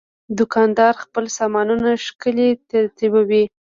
دوکاندار خپل سامانونه ښکلي ترتیبوي.